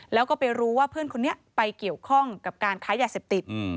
แล้วก็ไปรู้ว่าเพื่อนคนนี้ไปเกี่ยวข้องกับการค้ายาเสพติด